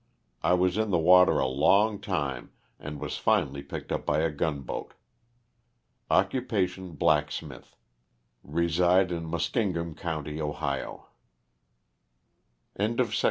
I was in the water a long time, and was finally picked up by a gunboat. Occupation, black smith. Keside in Muskingum county, Ohio. WILLIAM WENDT.